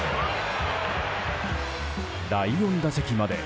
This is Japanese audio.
第４打席まで。